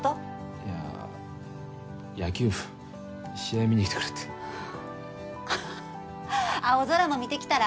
いや野球部試合見に来てくれって青空も見てきたら？